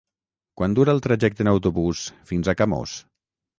Quant dura el trajecte en autobús fins a Camós?